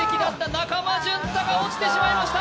中間淳太が落ちてしまいました